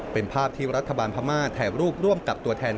เป็นภาพที่รัฐบาลพม่าถ่ายรูปร่วมกับตัวแทน